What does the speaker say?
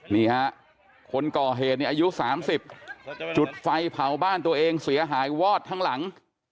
นี่ฮะคนก่อเหตุในอายุ๓๐จุดไฟเผาบ้านตัวเองเสียหายวอดทั้งหลัง